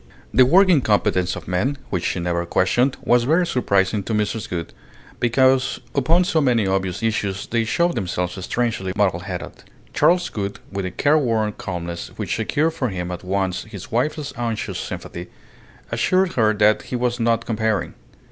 The working competence of men which she never questioned was very surprising to Mrs. Gould, because upon so many obvious issues they showed themselves strangely muddle headed. Charles Gould, with a careworn calmness which secured for him at once his wife's anxious sympathy, assured her that he was not comparing.